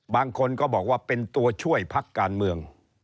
บางคนก็บอกว่าเป็นตัวช่วยพักการเมือง